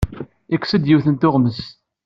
Yekkes-d yiwet n tuɣmest.